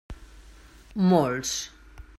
Molts.